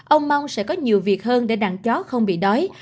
ông mong sẽ có nhiều việc hơn để đàn chó không bị đói